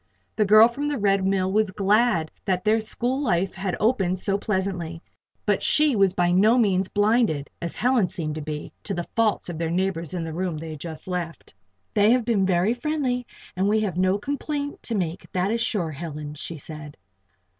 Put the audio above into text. The girl from the Red Mill was glad that their school life had opened so pleasantly; but she was by no means blinded as Helen seemed to be to the faults of their neighbors in the room they had just left. "They have been very friendly and we have no complaint to make, that is sure, Helen," she said.